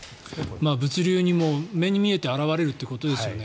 物流に目に見えて表れるということですよね。